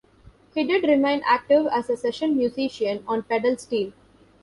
He did remain active as a session musician on pedal steel.